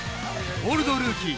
「オールドルーキー」